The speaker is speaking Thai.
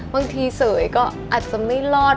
บางทีเสยก็อาจจะไม่รอด